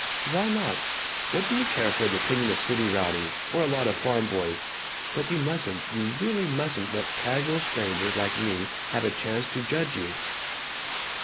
"Why not? What do you care for the opinion of city rowdies, or a lot of farm boys? But you mustn't, you really mustn't, let casual strangers like me have a chance to judge you."